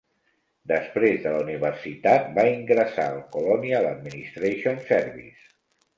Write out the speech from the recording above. Després de la universitat va ingressar al "Colonial Administration Service".